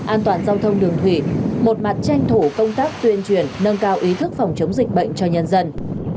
an toàn giao thông đường thủy một mặt tranh thủ công tác tuyên truyền nâng cao ý thức phòng chống dịch bệnh cho nhân dân